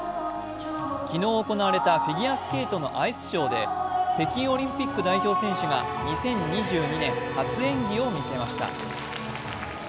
昨日行われたフィギュアスケートのアイスショーで北京オリンピック代表選手が２０２２年初演技を見せました。